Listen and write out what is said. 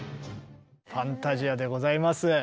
「ファンタジア」でございます。